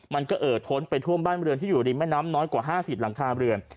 มันก็เอ่อท้นไปท่วมบ้านเรือนที่อยู่ริมแม่น้ำน้อยกว่า๕๐หลังคาเรือน